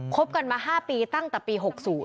บกันมา๕ปีตั้งแต่ปี๖๐